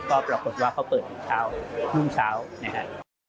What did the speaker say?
ก็ปรากฏว่าเขาเปิดเช้ารุ่งเช้านะครับ